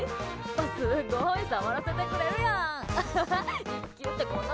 すごい触らせてくれるやん。